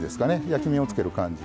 焼き目をつける感じ。